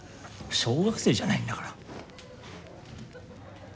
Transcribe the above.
小学生じゃないんだから。